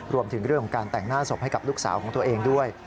รวมถึงเรื่องของการแต่งหน้าศพให้กับลูกสาวของตัวเองด้วย